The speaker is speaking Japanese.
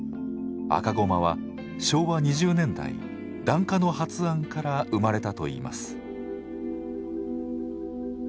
赤駒は昭和２０年代檀家の発案から生まれたといいます。